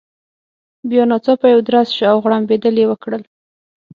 بیا ناڅاپه یو درز شو، او غړمبېدل يې وکړل.